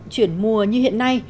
chuyển mùa như hiện nay